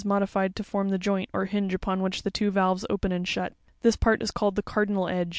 modified to form the joint or hinge upon which the two valves open and shut. This part is called the "cardinal edge" ( fig.